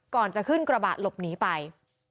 ก่อนจะขึ้นกระบะหลบหนีไป